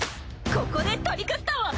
ここでトリクスタを。